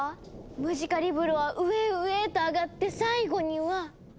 ムジカリブロは上へ上へとあがって最後には。